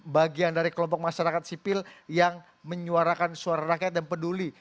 bagian dari kelompok masyarakat sipil yang menyuarakan suara rakyat dan peduli